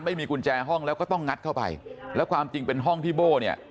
ไม่มีกุญแจห้องแล้วก็ต้องงัดเข้าไปแล้วความจริงเป็นห้องที่โบ้เนี่ย